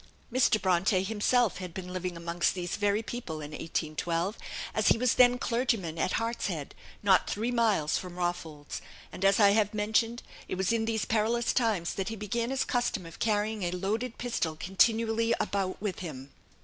Mr. Bronte himself had been living amongst these very people in 1812, as he was then clergyman at Hartshead, not three miles from Rawfolds; and, as I have mentioned, it was in these perilous times that he began his custom of carrying a loaded pistol continually about with him.